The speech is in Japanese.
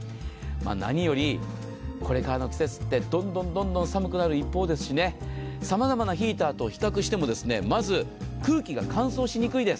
何よりこれからの季節はどんどん寒くなる一方ですし、様々なヒーターと比較してもまず空気が乾燥しにくいです。